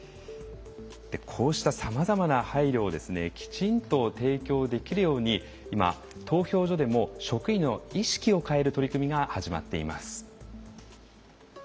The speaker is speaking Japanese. こうしたさまざまな配慮をきちんと提供できるように今投票所でも職員の意識を変える取り組みが始まっています。